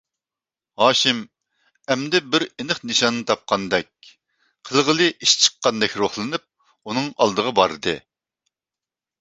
ھاشىم ئەمدى بىر ئېنىق نىشاننى تاپقاندەك، قىلغىلى ئىش چىققاندەك روھلىنىپ، ئۇنىڭ ئالدىغا باردى.